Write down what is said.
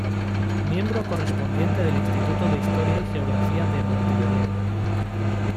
Miembro correspondiente del Instituto de Historia y Geografía de Montevideo.